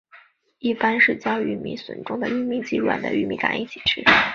一般是将玉米笋中的玉米及软的玉米秆一起吃。